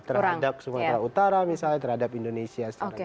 terhadap sumatera utara misalnya terhadap indonesia